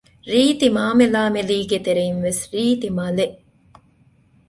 ރީތި މާމެލާމެލީގެ ތެރެއިން ވެސް ރީތި މަލެއް